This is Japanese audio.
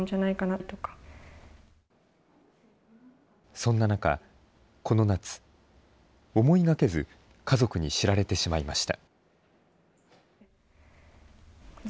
そんな中、この夏、思いがけず、家族に知られてしまいました。